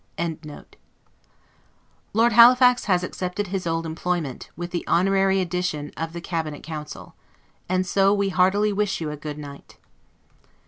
] sugar plums, etc. Lord Halifax has accepted his old employment, with the honorary addition of the Cabinet Council. And so we heartily wish you a goodnight.